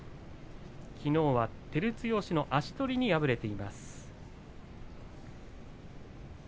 きのうは照強の足取りに敗れています。